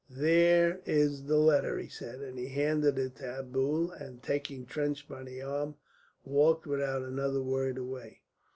"There is the letter," he said, and he handed it to Abdul, and, taking Trench by the arm, walked without another word away.